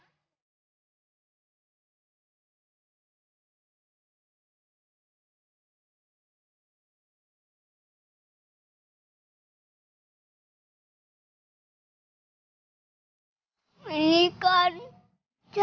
ini tikar dia sih membaikin eve juga